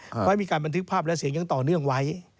เพราะมีการบันทึกภาพและเสียงยังต่อเนื่องไว้